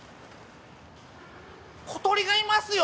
小鳥がいますよ。